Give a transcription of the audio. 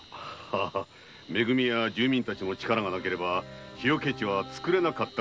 め組や住民たちの力がなければ火除け地は作れなかったかもしれませぬな。